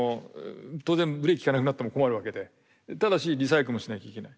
当然ブレーキ効かなくなっても困るわけでただしリサイクルもしなきゃいけない。